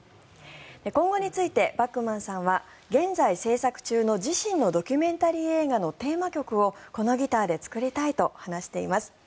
今後についてバックマンさんは現在、制作中の自身のドキュメンタリー映画のテーマ曲を、このギターで作りたいと話しています。